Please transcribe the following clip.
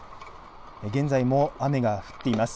現在も雨が降っています。